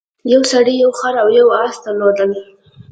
یو سړي یو خر او یو اس درلودل.